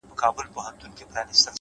عاجزي د شخصیت تاج دی’